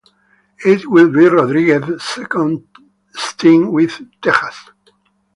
It will be Rodriguez's second stint with Texas.